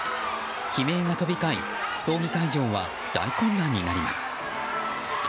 悲鳴が飛び交い葬儀会場は大混乱になります。